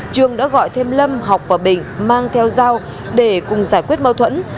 trường đã gọi thêm lâm học và bình mang theo dao để cùng giải quyết mâu thuẫn